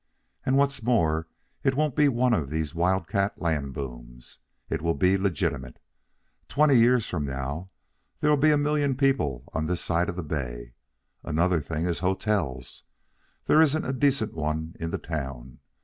And what's more it won't be one of these wild cat land booms. It will be legitimate. Twenty years from now there'll be a million people on this side the bay. Another thing is hotels. There isn't a decent one in the town.